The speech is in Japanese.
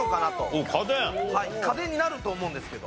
家電になると思うんですけど。